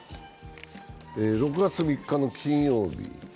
６月３日の金曜日。